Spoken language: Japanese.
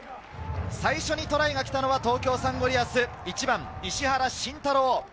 最初にトライが来たのは東京サンゴリアス、１番・石原慎太郎。